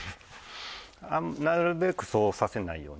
なるべくそうさせないように。